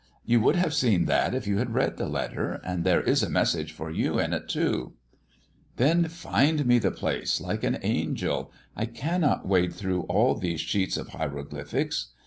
You would have seen that if you had read the letter. And there is a message for you in it, too." "Then find me the place, like an angel; I cannot wade through all these sheets of hieroglyphics.